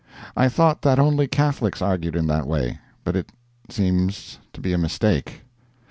I thought that only Catholics argued in that way, but it seems to be a mistake.